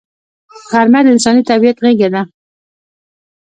غرمه د انساني طبیعت غېږه ده